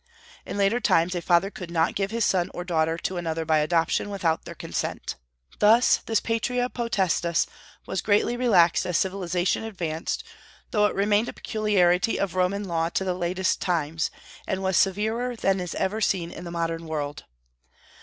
In later times, a father could not give his son or daughter to another by adoption without their consent. Thus this patria potestas was gradually relaxed as civilization advanced, though it remained a peculiarity of Roman law to the latest times, and was severer than is ever seen in the modern world.